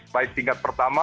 baik tingkat pertama